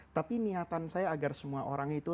tapi niatan saya agar semua orang itu